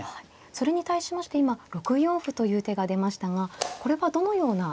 それに対しまして今６四歩という手が出ましたがこれはどのような。